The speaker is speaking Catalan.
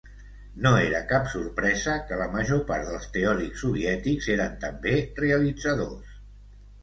No era cap sorpresa que la major part dels teòrics soviètics eren també realitzadors.